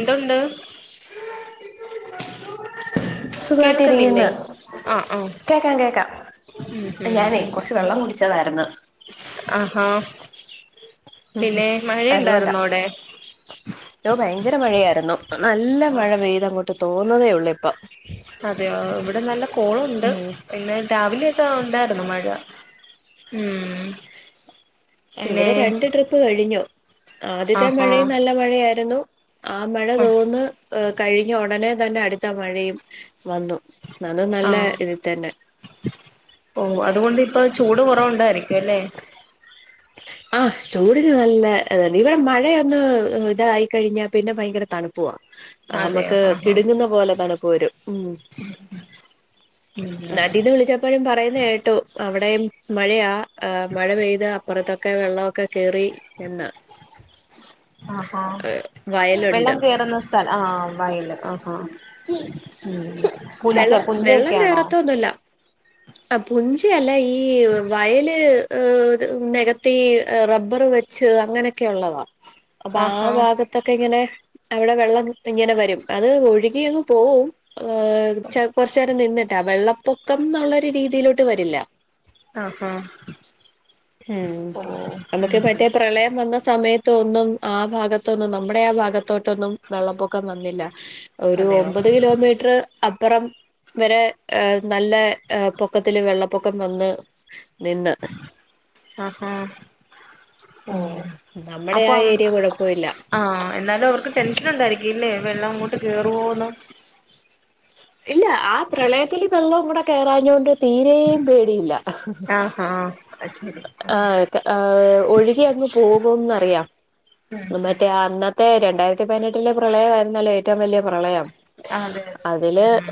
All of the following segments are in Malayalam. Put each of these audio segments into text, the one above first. എന്തുണ്ട് [unintelligible] കേൾക്കുന്നില്ലേ സുഖവായിട്ടിരിക്ക്ന്ന് ആഹ് ആഹ് കേക്കാം കേക്കാം ഉം ഞാനേ ഉം കുറച്ച് വെള്ളം കുടിച്ചതായിരുന്നു ആഹാ പിന്നെ അതുകൊണ്ടാ മഴയുണ്ടായിരുന്നു അവടെ ഭയങ്കര മഴയായിരുന്നു നല്ല മഴ പെയ്ത അങ്ങോട്ട് തോന്നുന്നതേ ഉള്ളൂ ഇപ്പ അതെയ ഇവിടെ നല്ല കോളുണ്ട് പിന്നെ രാവിലെയൊക്കെ ഉണ്ടായിരുന്നു മഴ ഉം പിന്നെ ഇവിടെ രണ്ട് ട്രിപ്പ് കഴിഞ്ഞു ആദ്യത്തെ ആഹാ മഴയും നല്ല മഴയായിരുന്നു ആ മഴ തോന്നു കഴിഞ്ഞ ഉടനെ തന്നെ അടുത്ത മഴയും വന്നു അതും നല്ല ഇതി തന്നെ ഓഹ് അതുകൊണ്ട് ഇപ്പ ചൂട് കുറവുണ്ടായിരിക്കുംല്ലെ ആഹ് ചൂടി നല്ല ഇവിടെ മഴയൊന്ന് ഇതായിക്കഴിഞ്ഞാൽ പിന്നെ ഭയങ്കര തണുപ്പ പോവാ അതെയോ നമ്മക്ക് ആഹാ കിടുങ്ങുന്ന പോലെ തണുപ്പു വരും ഉം പിന്നെ എപ്പോഴും പറയുന്ന കേട്ടോ അവിടെയും മഴയാ മഴ പെയ്ത അപ്പുറത്തൊക്കെ ക്കെ കേറി എന്ന ആഹാ വെള്ളം തിർന്നു ആഹ് വൈല് ആഹ് ആഹ് ഉം പുഞ്ച വെള്ള വെള്ളം പുഞ്ചയൊക്കെയാണോ കേറത്ത ഒന്നുല്ല ആഹ് പുഞ്ചയല്ല ഈ വയല് ഏഹ് നികത്തി റബ്ബർ വെച്ച് അങ്ങനെയൊക്കെ ഉള്ളതാണ് അപ്പൊ ആ ആഹാ ഭാഗത്ത് തൊക്കെ ഇങ്ങനെ അവിടെ വെള്ളം ഇങ്ങനെ വരും അത് ഒഴുകിയങ് പോവും കുറച്ചു നേരം നിന്നിട്ടാ വെള്ളപ്പൊക്കം എന്നുള്ളരു രീതിയിലോട്ട് വരില്ല ആഹാ ഉം ഓ നമക്ക് ഉം മറ്റേ പ്രളയം വന്ന സമയത്ത് ന്നും ആ ഭാഗത്തൊന്നും നമ്മുടെ ആ ഭാഗത്തോട്ടൊന്നും വെള്ളപ്പൊക്കം വന്നില്ല ഒരു അതെയോ ഒമ്പത് കിലോമീറ്റർ അപ്പുറം വരെ നല്ല പൊക്കത്തില് വെള്ളപ്പൊക്കം വന്ന് നിന്ന് ആഹാ ഓ ഉം നമ്മടെ അപ്പൊ ആ ഏരിയ കുഴപ്പല്ല ആഹ് എന്നാലും അവർക്ക് ടെൻഷൻ ഉണ്ടായിരിക്കുംല്ലേ വെള്ളം അങ്ങോട്ട് കേറുവോന്ന് ഇല്ല ആ പ്രളയത്തില് വെള്ളവും കൂടെ കേറാഞ്ഞോണ്ട് തീരേയും പേടിയില്ല ആഹാ അത് ശരി ആഹ് ആഹ് ഒഴുകി അങ്ങ് പോകുന്നറിയാം ഉം ഉം മറ്റേ അന്നത്തെ രണ്ടായിരത്തി പതിനെട്ടിലെ പ്രളയമായിരുന്നല്ലോ ഏറ്റവും വലിയ പ്രളയം ആഹ് അതെ അതില് അതെ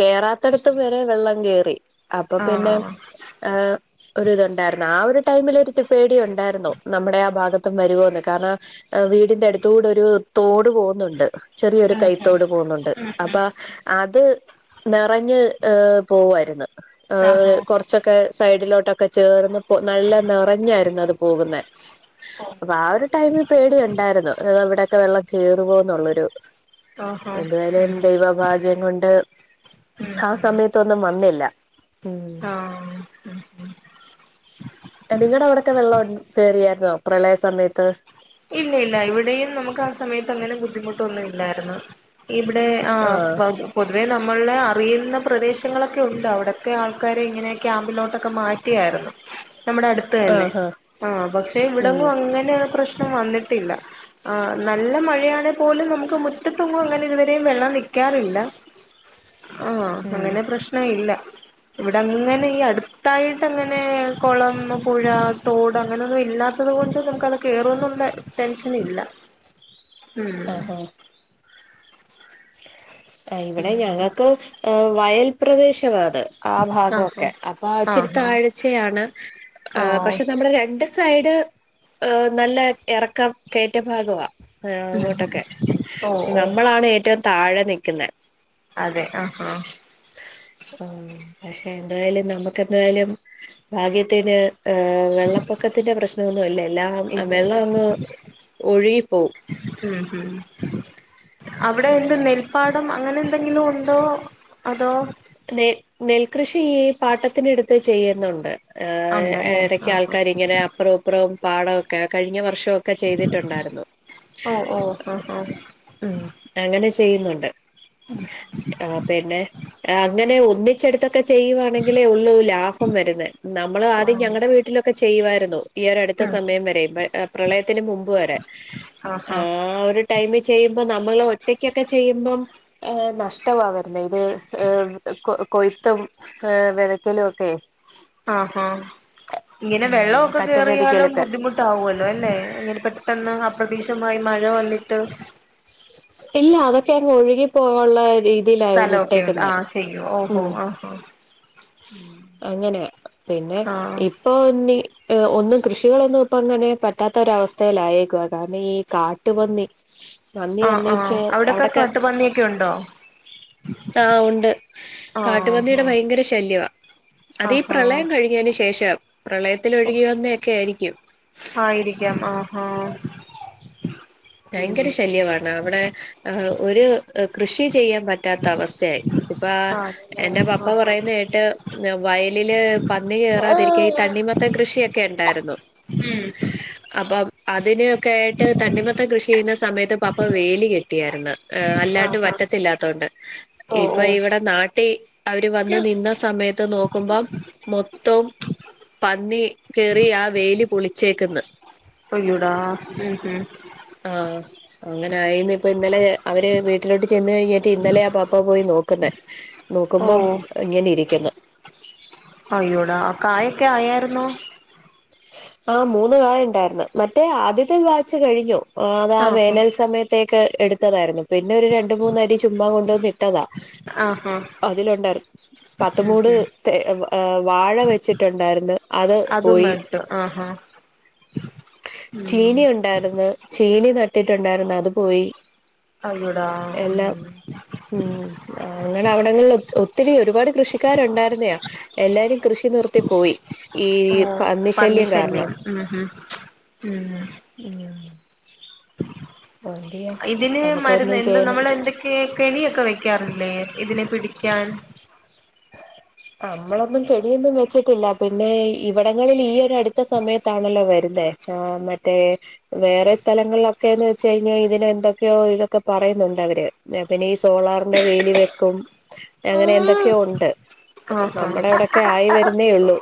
കേറാത്തിടത്തും വരെ വെള്ളം കേറി അപ്പൊ ഉം പിന്നെ ആഹ് ആഹ് ഒര് ഇതുണ്ടായിരുന്നു ആ ഒരു ടൈമിൽ ഒരു പേടി ഉണ്ടായിരുന്നു നമ്മുടെ ആ ഭാഗത്തും വരുവോന്ന് കാരണം വീടിന്റെ അടുത്തുടെ ഒരു തോട് പോകുന്നുണ്ട് ചെറിയൊരു ഉം കൈത്തോട് പോകുന്നുണ്ട് ഉം ഉം ഉം അപ്പൊ അത് നിറഞ്ഞ് പോവുവാരുന്നു ആഹാ ഏഹ് കുറ ച്ചക്കെ സൈഡിലോട്ടൊക്കെ ചേർന്ന് നല്ല നിറഞ്ഞായിരുന്നു അത് പോകുന്ന അപ്പൊ ആ ഒരുത് ടൈമിൽ പേടിയുണ്ടായിരുന്നു ഇവിടെയൊക്കെ വെള്ളം കേറുമോ എന്നുള്ളൊരു ആഹ് ആഹ് ദൈവഭാഗ്യം കൊണ്ട് ഉം ആ ഉം സമയത്തൊന്നും വന്നില്ല ഉം ആഹ് ഉം ഉം അ നിങ്ങടെ അവടൊക്കെ വെള്ളം കേറിയായിരുന്നോ പ്രളയ സമയത്ത് ഇല്ലല്ല ഇവിടെയും നമുക്കാ സമയത്ത് അങ്ങനെ ബുദ്ധിമുട്ടൊന്നുല്ലാര്ന്നു ഇവിടെ ആഹ് പ പൊതുവെ നമ്മളെ അറിയുന്ന പ്രദേശങ്ങളൊക്കെ ഉണ്ട് അവടെ ക്കെ ആൾക്കാരെ ഇങ്ങനെ ക്യാമ്പിലോട്ടൊക്കെ മാറ്റിയായിരുന്നു നമ്മുടെ അടുത്ത് തന്നെ ആഹ് ആഹ് ആഹ് പക്ഷെ ഉം ഇവിടെങ്ങും അങ്ങനെ പ്രശ്നം വന്നിട്ടില്ല ആഹ് നല്ല മഴയാണെ പോലും നമുക്ക് മുറ്റത്തങ്ങും അങ്ങനെ ഇതുവരേം വെള്ളം നിക്കാറില്ല [inaudible] ആഹ് ഉം അങ്ങനെ പ്രശ്നല്ല ഇവിടെ അങ്ങനെ ഈ അടുത്തായിട്ടങ്ങനെ കൊളം, പുഴ, തോട് അങ്ങനെയൊന്നും ഇല്ലാത്തത് കൊണ്ട് നമുക്കത് കേ പ്ലോന്നും ടെ ടെൻഷനില്ല ഉം ആഹാ ആഹ് ഇവടെ ഞങ്ങക്കും എ വയൽ പ്രേദേശവാ അത് ആ ആഹ് ഭാഗൊക്കെ അപ്പൊ ആഹ് ഇച്ചിരിത്താഴ്ചയാണ് ആഹ് ആഹ് പക്ഷെ നമ്മള് രണ്ട് സൈഡ് ആഹ് നല്ല എറക്കം കേറ്റ ഭാഗവാ ആഹ് അങ്ങോട്ടൊക്കെ ഓ ഓ നമ്മളാണ് ഏറ്റവും താഴെ നിക്ക്ന്നെ അതെ ആഹ് ആഹ് ആഹ് പക്ഷെ എന്തായാലും നമ്മക്കെന്തായാലും ഭാഗ്യത്തിന് ഏഹ് വെള്ളപ്പൊക്കത്തിന്റെ പ്രശ്നൊന്നും അല്ല എല്ലാം ഇല്ല ഇല്ല വെള്ളങ്ങ് ഒഴുകിപ്പോം ഉം ഉം അവിടെ എന്ത് നെൽപ്പാ ടം അങ്ങനെന്തെങ്കിലുണ്ടോ അതോ നെ നെൽകൃഷി ഈ പാട്ടത്തിനെടുത്ത് ചെയ്യുന്നുണ്ട് ആഹ് ഉണ്ടല്ലേ എടയ്ക്ക് ആഹ് ആൾക്കാര്ങ്ങനെ അപ്പറും ഇപ്പറും പാടൊക്കെ കഴിഞ്ഞ വർഷൊ ക്കെ ചെയ്തിട്ടുണ്ടാര്ന്നു ഓ ഓ ആഹ് ആഹ് ഉം അങ്ങനെ ചെയ്യുന്നുണ്ട് ഉം ഉം ആഹ് പിന്നെ അങ്ങനെ ഒന്നിച്ചെടു ത്തൊക്കെ ചെയ്യുവാണെങ്കിലേ ഉള്ളൂ ലാഭം വെരുന്നെ നമ്മൾ ആദ്യം ആഹ് ഞങ്ങളടെ വീട്ടിലൊക്കെ ചെയ്യുവായിരുന്നു ഈ ഒരു അടുത്ത ഉം സമയം വരെയും പ്രളയത്തിന് മുമ്പ് വരെ ആഹ് ആ ആഹ് ഒരു ടൈമിൽ ചെയ്യുമ്പോ നമ്മൾ ഒറ്റയ്ക്കൊക്കെ ചെയ്യുമ്പം എ നഷ്ടവാ വെരുന്നെ ഇത് ഏഹ് കൊ കൊയ്ത്തും ഏഹ് വെതക്കലൊക്കെ ആഹ്ഹ ഇങ്ങനെ ഉം വെള്ളൊക്കെ കേറിയാലും കറ്റപതിക്കലൊക്കെ ബുദ്ധിമു ട്ടാവല്ലോ അല്ലെ ഇങ്ങനെ പെട്ടെന്ന് അപ്രതീക്ഷമായി മഴ വന്നിട്ട് ഇല്ല അതൊക്കെ അങ്ങ് ഒഴുകിപ്പോവെള്ള രീതിയിലാ വിട്ടേക്കുന്നെ ഉം ആഹ് അങ്ങനെ പിന്നെ ആഹ് ഇപ്പൊ ഇന്നി ഒന്നും കൃഷികളൊന്നും ഇപ്പ അങ്ങനെ പറ്റാത്തൊരവസ്ഥയിലായേക്ക കാരണം ഈ കാട്ടുപന്നി പന്നി ആഹ് ആഹ് വന്നേച്ച് അവടൊക്കെ അവിടൊക്കെ കാട്ട്പന്നിയൊക്കെ ഒണ്ടോ ആ ഉണ്ട് ആഹാ കാട്ടുപന്നിയുടെ ഭയങ്കര ശല്യ അതീ ആഹാ പ്രളയം കഴിഞതിന് ശേഷം പ്രളയത്തിൽ ഒഴുകി വന്നൊക്കായിരിക്കും ആയിരിക്കാം ആഹാ ഭയങ്കര ശല്യവാണ് അവടെ ആ ഒരു കൃഷി ചെയ്യാൻ പറ്റ റ്റാത്തവസ്ഥയായി ഇപ്പാ ആണല്ലേ എന്റെ പാപ്പ ആഹാ പറയുന്നേട്ട് വയലില് പന്നി കേറാതിരിക്കാൻ ഈ തണ്ണിമ ത്തം കൃഷിയൊക്കെ ണ്ടാര്ന്നു ഉം അപ്പം അതിനൊക്കായിട്ട് തണ്ണിമ പ്പ കൃഷി ചെയ്യുന്ന സമയത്ത് പപ്പ വേലി കെട്ടിയായിര്ന്ന് എഹ് അല്ലാണ്ട് ആഹാ വറ്റത്തില്ലാത്തോണ്ട് ഓ ഇപ്പൊ ഓ ഇവടെ നാട്ടീ അവര് വന്ന് നിന്ന സമയ ത്ത് നോക്കുമ്പം മൊത്തൊം പന്നി കേറി ആ വേലി പൊളിച്ചേക്ന്ന് അയ്യോടാ ഉം ഉം ആഹ് അങ്ങനായിണ് അപ്പൊ ഇന്നലെ അവര് വീട്ടിലോട്ട് ചെന്ന് കഴിഞ്ഞിട്ട് ഇന്നലെയാ പാപ്പ പോയി നോക്ക്ന്നെ ഓ നോക്കുമ്പം ഇങ്ങനെയിരിക്ക്ന്ന് അയ്യോടാ കായൊക്ക്യായേര്ന്നോ? ആഹ് മൂന്ന് കായ ണ്ടായിര്ന്ന് മറ്റേ ആദ്യത്തെ വാച്ച് കഴിഞ്ഞു. ഓഹ് ഞാൻ ആഹാ വേനൽ സമയത്തേക്ക് എട്ത്തതായിരുന്നു പിന്നെ ഒരു രണ്ട് മൂന്ന് അരി ചുമ്മാ കൊണ്ടോന്ന്ട്ടതാ ആഹാ അതിലുണ്ടായിര് പത്ത് ഉം മൂട് ഉം തെ ഏഹ് വാഴ വെച്ചിട്ടുണ്ടായിര്ന്ന് അത് അതും പോയി നട്ട് ആഹാ ഉം ചീനി ഉണ്ടായിര്ന്ന് ചീനി നട്ടിട്ടുണ്ടായിര്ന്ന് അത് പോയി അയ്യോടാ ഉം എല്ലാം ഉം അങ്ങനെ അവിടങ്ങളിൽ ഒത്ത് ഒത്തിരി ഒരുപാട് കൃഷിക്കാര്ണ്ടായിര്ന്ന്യാ എല്ലാരും കൃഷി നിർത്തി പോയി ഈ ഓ പന്നി പന്നിശല്യം കാരണം. ശല്യം ഉം ഉം ഉം ഉം എന്തെയ്യാം നമുക്കൊന്നും ചെയ്യാനൊക്കത് കെ കെണിയൊക്കെ വെക്കാറില്ലേ ഇതിനെ പിടിക്കാൻ? അമ്മളൊന്നും കെണിയൊന്നും വെച്ചിട്ടില്ല പിന്നെ ഇവടങ്ങളിൽ ഈ അട്ത്ത സമയത്താണല്ലോ വെര്ന്നേ ആഹ് മറ്റേ വേറെ സ്ഥലങ്ങളിലൊക്കെന്ന് വെച്ച് കഴിഞ്ഞാ ഇതിനെന്തൊക്ക്യൊ ഇതൊക്കെ പറയുന്നുണ്ടവര് ന്നെ പിന്നെ ഈ സോളാറിന്റെ വേലി വെക്കും അങ്ങനെ എന്തൊ ക്ക്യൊ ഉണ്ട് ആഹാ നമ്മടെ ഇവടൊക്കെ ആയി വെര്ന്നേ ഒള്ളൂ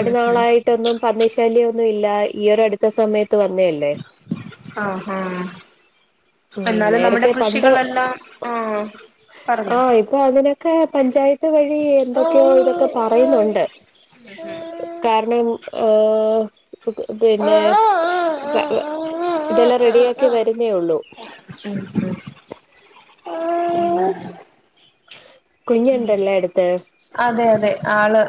ഉം ഉം നാളായി ട്ടൊന്നും പന്നി ശല്ല്യൊന്നുല്ല ഈ ഒരട്ത്ത സമയത്ത് വന്നേ അല്ലേ ആഹ് ആഹ് ഉം എന്നാലും നമ്മടെ നേരത്തെ പണ്ട് കൃഷികളെല്ലാം ആഹ് പറഞ്ഞോ ക്കാ അങ്ങനെക്കെ പഞ്ചായത്ത് വഴി എന്തൊക്ക്യോ ഇതൊക്കെ പറയുന്നുണ്ട് കാരണം ഏഹ് ഇത് പിന്നെ പ വ ഇതെല്ലാം റെഡിയാക്കി വെര്ന്നേ ഒള്ളൂ. ഉം ഉം ഉം കുഞ്ഞുണ്ടല്ലേ അട്ത്ത് അതെ യതെ ആള്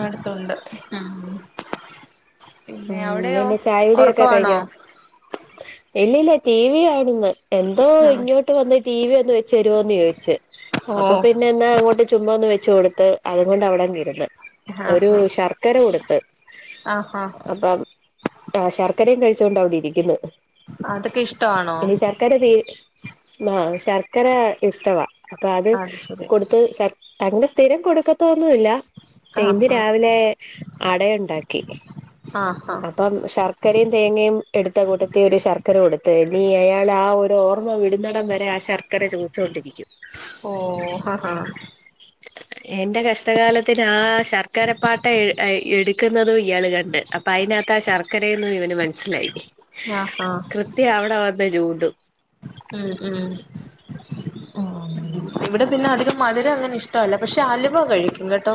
അട്ത്തുണ്ട് ഉം ഉം [unintelligible] ചായുട്യൊക്കെ കഴിഞ്ഞോ? ഇല്ലല്ല ടി വി കാണ്ന്ന് എന്തോ ആഹ് ഇൻങ്ങോ ഇപ്പ വന്ന് ടി വി ഒന്ന് വെചേരോന്ന് ചോയ്ച്ച് ഓ അപ്പൊ പിന്നെ ന്നാ അങ്ങോട്ട് ചുമ്മ ഒന്ന് വെച്ച് കൊട്ത്ത് അതു കൊണ്ട് അവിടങ്ങിര്ന്ന് ആഹ് ഒരു ആഹ് ശർക്കര കൊട്ത്ത്. ആഹ് ഹ അപ്പം ആഹ് ശർക്കരിം കഴിച്ചോണ്ട് അവടെ ഇരിക്ക്ന്ന് അതൊക്കെഷ്ടാണോ? ക്കര തീ ആഹ് ശർക്കര ഇഷ്ടവാ അപ്പ അത് കൊടുത്ത് ശർ അങ്ങ്നെ സ്ഥിരം കൊടുക്കത്തൊന്നുല്ല ആഹ് ഇന്ന് ഹാ രാവിലെ അടയുണ്ടാക്കി ആഹ് ഹാ അപ്പം ശർക്കരയും തേങ്ങയും എടുത്ത കൂട്ടത്തി ഒരു ശർക്കര കൊടുത്ത് ഇനി അയാൾ ആഹ ഒരു ഓർമ ഓർമ്മ വിടുന്നടം വരെ ആ ശർക്കര ചോദിച്ചൊണ്ടിരിക്കും ഓഹ് ആഹാ ആഹാ എന്റെ കഷ്ടകാലത്തിന് ആ ശർക്കരപ്പാട്ട എടുക്ക്ന്നതും ഇയാള് കണ്ട് അപ്പ അയിന അകത്താ ആഹ ശർക്കരയന്ന് ഇവന് മൻസ്സിലായി ആഹ് ആഹാ ട്ടി അവിടെ വന്ന്തേച്ചു കൂട്ടും മ് മ് ഇവിടെ പിന്നെ അധികം മധുരം അങ്ങനെ ഇഷ്ടം അല്ല പക്ഷെ അൽവ കഴി ഇങ്ങട്ടോ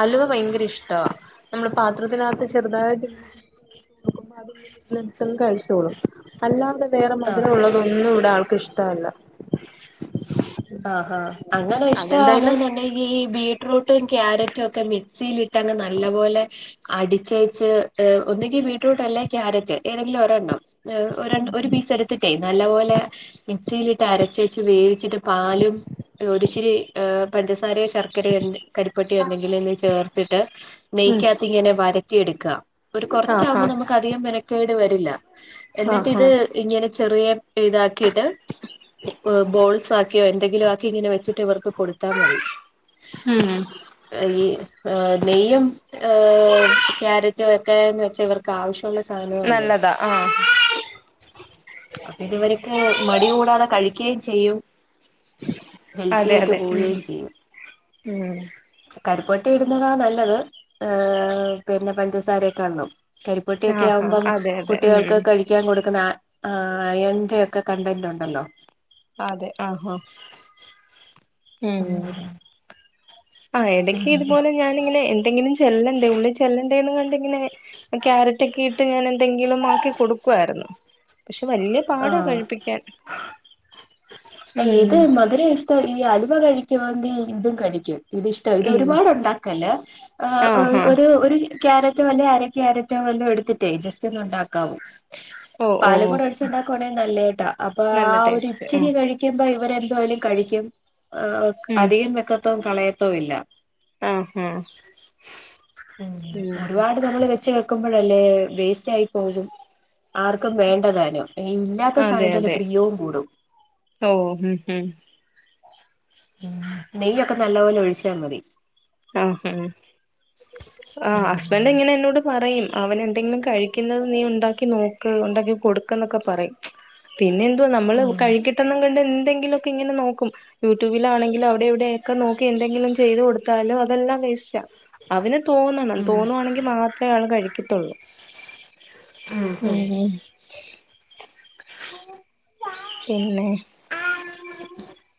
അലുവ ഭയങ്കര ഇഷ്ടവാ നമ്മള് പാത്രത്തിനകത്ത് ചെറുതായിട്ട് [unintelligible] എടുത്തു കഴിച്ചോളും അല്ലാതെ വേറെ മധുരം ആഹാ ഉള്ളതൊന്നും ഇവിടെ ആൾക്ക് ഇഷ്ട അല്ല ആഹ് ഹാ അങ്ങനെ അതെന്തായാലും ഇഷ്ടാണ്ന്നുണ്ടെങ്കി ഈ ബീട്ട്റൂട്ടും ക്യാരറ്റും ഒക്കെ മിക്സിൽ ഇട്ടങ്ങ് നല്ല പോലെ അടിച്ചേച്ച് ഒന്നെങ്കി ബീട്ട്റൂട്ട് അല്ലേ ക്യാരറ്റ് ഏതെങ്കിലും ഒരെോണ്ണം ഒരെ ഒര്പീസ് എടുത്തിട്ടേ നല്ല പോലെ മിക്സിയിലിട്ട് അരച്ചേച്ച് വേവിച്ചിട്ട് പാലും ഒരുശിരി പഞ്ചസാരേ ശർക്കരേ എന്ത കരി പെട്ടി ഉണ്ടെങ്കില് ഇന്ന് ചേർത്തിട്ട് ഉം നെയ്ക്യാത്ത് ഇങ്ങനെ വരട്ടി എട്ക്കാ ഒര് ആഹ് കൊറച്ചാഉമ്പം ആഹ് നമുക്ക് അധികം മെന കേട് വരില്ല എന്നിട്ട് ആഹ് ഇത് ആഹ് ഇങ്ങനെ ചെറിയ ഇതാക്കിയിട്ട് ബോൾസ് ആക്കി ക്കി എന്തെങ്കിലും ആക്കി ഇങ്ങനെ വെച്ചിട്ട് ഇവർക്ക് കൊട്ത്താ മതി ഉം ഈ നെയ്യും ഏ ക്യാരറ്റും ഒക്കെന്ന് വെച്ചാ ഇവർ ക്ക് ആവശ്യ ഉള്ള സാധനം അല്ലേ നല്ലതാ ആഹ് അപ്പ ഇത് ഇവര്ക്ക് മടി കൂടാതെ കഴിക്കേചെയ്യും ഹെൽത്തി അതെ ആയിട്ട് അതെ ഉം പോവേം ചെയ്യും ഉം കരിപ്പെട്ടി ഇടുന്നതാണ് നല്ലത് ഏ പിന്നെ പഞ്ചസാരയെക്കാണും കരിപ്പെട്ടിയൊക്കെ ആഹാ ആവുമ്പം അതെ അതെ ഉം കുട്ടികൾക്ക് കഴി ക്ക്യാൻ കൊടുക്കുന്ന അയൺന്റെ ഒക്കെ കണ്ടന്റ് ഉണ്ടല്ലോ അതെ ആഹാ ഹാ മ്മ് ആഹാ ഇടയ്ക്ക് ഇതുപോലെ ഞാനിങ്ങനെ എന്തെങ്കിലും ചെല്ലണ്ട ഉള്ളി ചെ ചെല്ലണ്ടേന്ന് കണ്ടിങ്ങനെ ക്യാരറ്റെക്കെ ഇ ട്ട് ഞാന് എന്തെങ്കിലും ആക്കി കൊടുക്കു ആയിരുന്നു പക്ഷെ വല്ല്യ ആഹ് ഉം ഈത് മധുരം ഇഷ് ട്ടല്ല്യ അലുവ കഴിക്കുവൊങ്കിൽ ഇതും കഴിക്കും ഇത്ഷ്ടാ ഇത് ഉം ഒരുപാട് ഉണ്ടാക്കല് ആഹാ ഒരു ഒരു ക്യാര റ്റൊ അല്ല അര ക്യാരറ്റോ വല്ലോ എടുത്തിട്ടേ ജസ്റ്റ് ഒന്ന് ഉണ്ടാക്കാവു ഓഹ് ഓഹ് ഇപ്പ ഉണ്ടാക്കുവാണെൽ നല്ലഹ്ട്ടാ അപ്പൊ ആഹ ഒരു ടേസ്റ്റ് ആ ഇച്ചിരി കഴിക്കുമ്പോ ഇവരെ എന്തുവായാലും കഴിക്കും ആഹാ ഉം അധികം വെക്കത്തും കളയത്തും ഇല്ല ആഹ്ഹാ ഉം ഒര്പാട് നമ്മള് വെച്ച് വെ വെക്കുമ്പഴല്ലേ വേസ്റ്റായി പോരു ആർക്കും വേണ്ടതാനു ഇ ഇല്ലാത്ത അതെ സമയത് അയില് അതെ പ്രിയോം കൂടും ഓ ഹ് ഹ് ഉം നെയ്യൊക്ക നല്ലപോലെ ഒഴിച്ചാ മതി ആ ഹം ആ ബെല്ല ഉം ഇങ്ങനെ എന്നോട് പറയും അവന് എന്തെങ്കിലും കഴിക്കുന്നത് നീ ഉണ്ടാക്കി നോക്ക് ഉണ്ടാക്കി കൊടുക്കന്നൊക്കെ പറയും പിന്നെ എന്തോ നമ്മള് ഉം കഴികി പെട്ടെന്ന്ങണ്ട് എന്തെങ്കിലോക്കെ ഇങ്ങനെ നോക്കും യൂട്യൂബിലാണെങ്കിലും അവ്ടേം ഇവിടോക്കെ നോക്കി എന്തെങ്കിലും ചെയ്ത് കൊടു ത്താലും അതെല്ലാം വേസ്റ്റ അവന് തോന്നണം ഉം തോന്നുവാണെങ്കി മാത്രേ ആള് കഴിക്കത്തൊള്ളൂ ഉം ഉം ആ പിന്നെ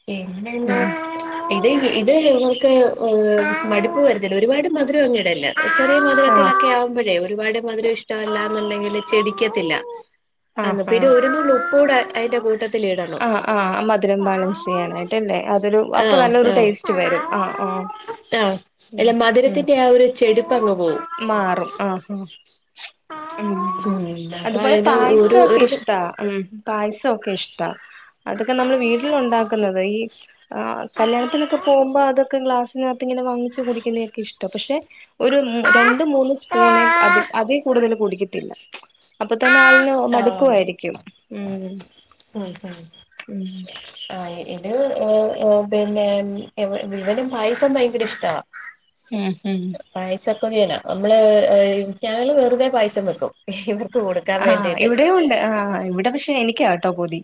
പിന്നെന്താ ഇത് ഇത് ഇങ്ങൾക്ക് മടുപ്പ് വരത്തില്ല ഒരുപാട് മധുരങ്ങ് ഇടെല്ല ചെറിയ ആഹ് മധുരത്തിലൊക്കെ ആവുമ്പഴേ ഒരുപാട് മധുരം ഇഷ്ടമല്ലാന്നുണ്ടെങ്കില് ചെടിക്കത്തില്ല ആഹ് അങ് പിന്നെ ആഹ് ഒരു നുള്ള് ഉപ്പൂട അയിന്റെ കൂട്ട ആ ആ മധുരം ബാലൻസ് ചെയ്യാനായിട്ടല്ലേ അതൊരു അപ്പ ആഹ് നല്ലരു ആഹ് ടേസ്റ്റ് വരും ആ ആ ആഹ് ഉം അല്ല ഉം മധുരത്തിന്റെ ആ ഒരു ചെടിപ്പ് അങ്ങ് പോവും മാറും ആ ആ ഉം ഉം അപ്പൊ അതുപോലെ അതിന് ഒരു പായസക്കെ ഒരു ഇഷ്ടാ ഉം പായ്‌സോക്കെ ഇഷ്ടാ അതൊക്കെ നമ്മള് വീട്ടില് ഉണ്ടാക്കുന്നത് ഈ ആ കല്യാണത്തിനൊക്കെ പോവുമ്പ അതൊക്കെ ക്ലാസ്സിനക ങ്ങനെ വാങ്ങിച്ച് കുടിക്കുന്നെക്കെ ഇഷ്ട പക്ഷെ ഒരു മു രണ്ട് മൂന്ന് സ്പൂണെ അതി അതീ കൂടുതല് കുടിക്കത്തില്ല അപ്പ തന്നെ ആഹ് ആൾന് മടുക്കുവായിരിക്കും ഉം ഉം ഉം ഉം ആ ഇത് ഉം ഉം പിന്നെ ഇവ ഇവനും പായസം ഭയങ്കര ഇഷ്ടവാ ഉം ഹും പായസ കൊതിയന നമ്മള് ഞങ്ങള് വെറുതെ പായസം വെക്കും ഇവർക്ക് കൊട് ആ ഇവടേം ഉണ്ട് ആ ഇവിടെ പക്ഷെ എനിക്കാട്ടോ പൂതി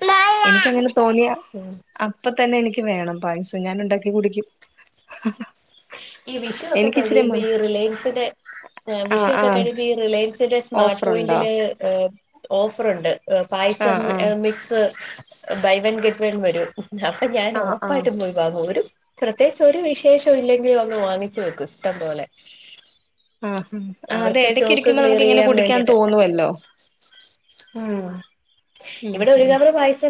എനിക്കങ്ങനെ തോന്നിയ ഉം അപ്പ തന്നെ എനിക്ക് വേണം പായസം ഞാനുണ്ടാക്കി കുടിക്യും ഈ വിഷു ഒക്ക കഴിയുമ്പോ ഈ റിലെയ്‌ൻസിന്റെ ഏ വിഷു ആഹ് ഒക്ക ആഹ് കഴിഴുമ്പോ ഈ റിലെൻസിന്റെ സ്മാർട്ട് ഓഫറുണ്ടോ പോയിന്റില് ഓഫറുണ്ട് പായസം ആഹ് ആഹ് mix buy one get one വരൂ അപ്പം ഞാന് ആഹ് ആഹ് ഒറപ്പായിട്ടും പോയി വാങ്ങു ഒരു പ്രത്യേകിച്ച് ഒരു വിശേഷോല്ലെങ്കിലും വാങ്ങിച് വെക്കും ഇഷ്ടം പോലെ ആ അതെ അവർക്ക് ഏതക്കെ സ്റ്റോക്ക് ഇരിക്ക്ന്ന ക്ലിയർ നമുക്കിങ്ങനെ ചെയ്യാൻ കുടിക്കാൻ വേണ്ടിട്ട് തോന്നുവല്ലോ ഉം ഉം ഇവടെ ഒരു ഉം കവറ് പായസം